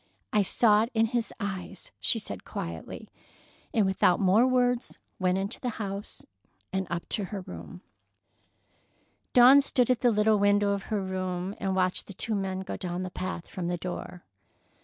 "I saw it in his eyes," she said quietly, and without more words went into the house and up to her room. Dawn stood at the little window of her room and watched the two men go down the path from the door.